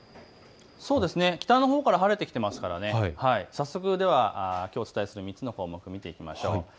北のほうから晴れてきていますから早速、きょうお伝えする３つの項目を見ていきましょう。